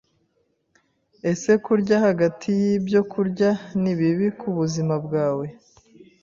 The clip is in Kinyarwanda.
Ese kurya hagati yibyo kurya ni bibi kubuzima bwawe?